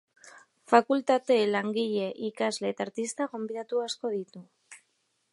Fakultate, langile, ikasle eta artista gonbidatu asko ditu.